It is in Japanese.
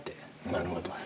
なるほど。